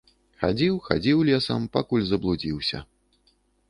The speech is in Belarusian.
Хадзіў, хадзіў лесам, пакуль заблудзіўся.